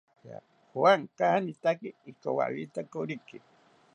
Juan kanitaki ikowawita koriki